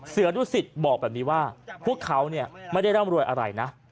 เสือดุสิตบอกแบบนี้ว่าพวกเขาไม่ได้ร่ำรวยอะไรนะ